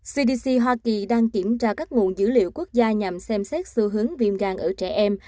cdc hoa kỳ đang kiểm tra các nguồn dữ liệu quốc gia nhằm xem xét xu hướng viêm gan ở trẻ em